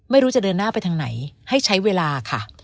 ไม่รู้จะเดินหน้าไปทางไหนให้ใช้เวลาค่ะ